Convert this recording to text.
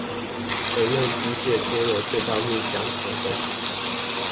而用機械拖了這大木箱狂奔